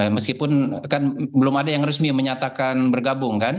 meskipun kan belum ada yang resmi menyatakan bergabung kan